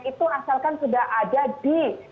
itu asalkan sudah ada di